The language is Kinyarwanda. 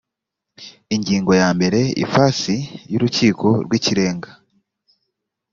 ingingo ya mbere ifasi y urukiko rw ikirenga